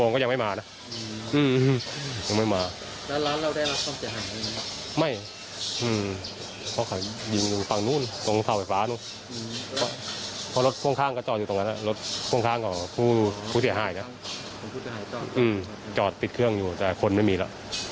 คนไม่มีแล้วก็เลยออกมา